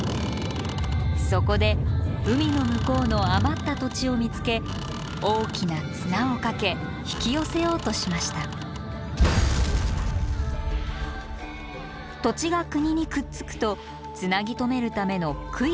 そこで海の向こうの余った土地を見つけ大きな綱をかけ引き寄せようとしました土地が国にくっつくとつなぎ止めるための杭を立てました。